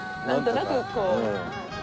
なんとなくこう。